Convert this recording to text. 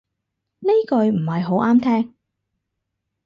呢句唔係好啱聽